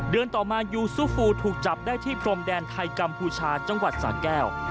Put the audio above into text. ต่อมายูซูฟูถูกจับได้ที่พรมแดนไทยกัมพูชาจังหวัดสาแก้ว